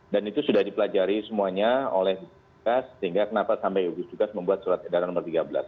dan itu sudah dipelajari semuanya oleh jugis jugas sehingga kenapa sampai jugis jugas membuat surat edaran no tiga belas